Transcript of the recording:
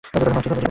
হ্যাঁ ঠিক আছে।